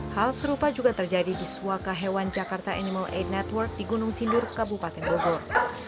hal serupa juga terjadi di suaka hewan jakarta animal aid network di gunung sindur kabupaten bogor